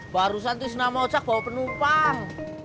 barusan tisna maucak bawa penumpang